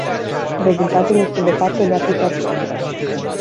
Rezultatul este departe de a fi perfect.